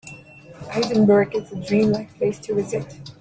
Edinburgh is a dream-like place to visit.